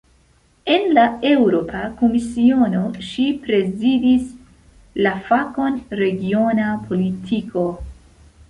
En la Eŭropa Komisiono ŝi prezidis la fakon "regiona politiko".